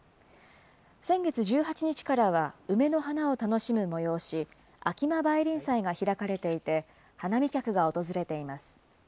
先月１８日からは、梅の花を楽しむ催し、秋間梅林祭が開かれていて、花見客が訪れています。